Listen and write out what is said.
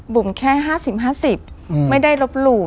บุ๋มแค่๕๐๕๐ไม่ได้ลบหลู่